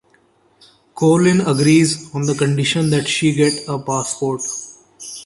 Colin agrees on the condition that she get a passport.